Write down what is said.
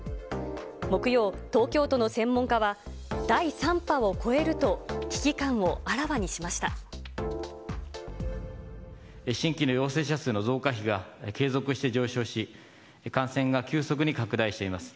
木曜、東京都の専門家は、第３波を超えると危機感をあらわにしま新規の陽性者数の増加比が継続して上昇し、感染が急速に拡大しています。